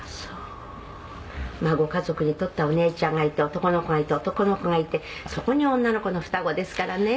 「ご家族にとってはお姉ちゃんがいて男の子がいて男の子がいてそこに女の子の双子ですからね